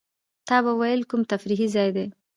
تا به وېل کوم تفریحي ځای دی.